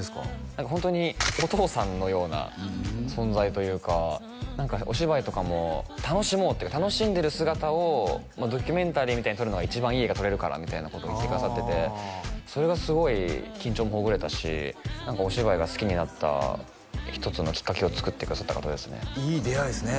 何かホントにお父さんのような存在というか何かお芝居とかも楽しもうっていうか楽しんでる姿をドキュメンタリーみたいに撮るのが一番いい画が撮れるからみたいなことを言ってくださっててそれがすごい緊張もほぐれたし何かお芝居が好きになった一つのきっかけを作ってくださった方ですねいい出会いですね